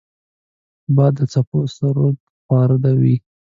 باد د څپو سرود خواره وي